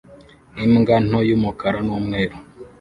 Imbwa nto y'umukara n'umweru